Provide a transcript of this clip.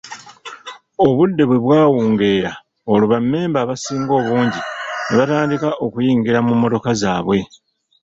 Obudde bwe bwawungeera olwo bammemba abasinga obungi ne batandika okuyingira mu mmotoka zaabwe.